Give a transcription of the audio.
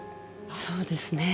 そうですね。